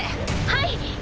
はい。